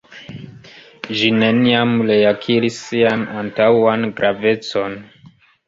Ĝi neniam reakiris sian antaŭan gravecon.